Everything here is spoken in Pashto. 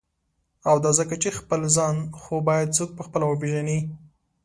او دا ځکه چی » خپل ځان « خو باید څوک په خپله وپیژني.